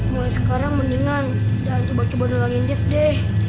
mulai sekarang mendingan jangan coba coba nolongin dev deh